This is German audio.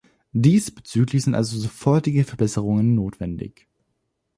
Diesbezüglich sind also sofortige Verbesserungen notwendig.